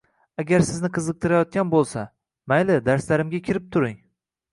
— Agar sizni qiziqtirayotgan bo‘lsa, mayli darslarimga kirib turing.